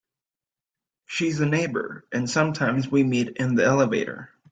She is a neighbour, and sometimes we meet in the elevator.